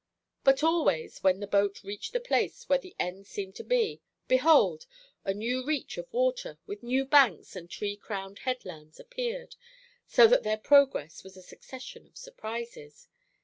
But always when the boat reached the place where the end seemed to be, behold, a new reach of water, with new banks and tree crowned headlands, appeared, so that their progress was a succession of surprises.